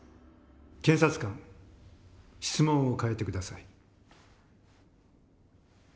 検察官質問を変えて下さい。